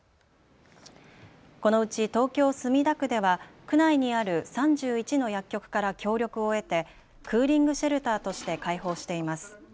このうち東京墨田区では区内にある３１の薬局から協力を得てクーリングシェルターとして開放しています。